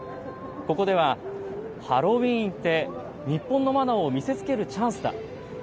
ここでは、ハロウィーンって、日本のマナーを見せつけるチャンスだ。